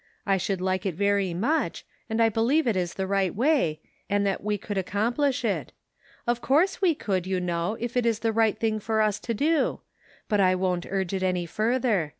I should like it very much, and I believe it is the right way, and that we could accom plish it ; of course we could, you know, if it is the right thing for us to do ; but I won't urge it any further.